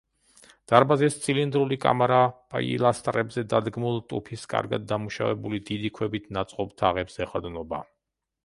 დარბაზის ცილინდრული კამარა პილასტრებზე დადგმულ, ტუფის კარგად დამუშავებული დიდი ქვებით ნაწყობ თაღებს ეყრდნობა.